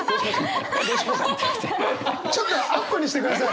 ちょっとアップにしてください。